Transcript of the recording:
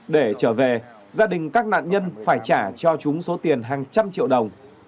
để trở về gia đình các nạn nhân phải trả cho chúng số tiền hàng trăm triệu đồng